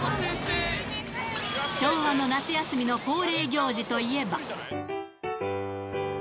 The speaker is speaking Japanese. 昭和の夏休みの恒例行事といえば。